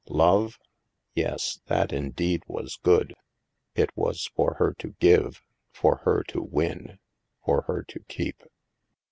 Love ? Yes, that in deed was good. It was for her to give, for her to win, for her to keep.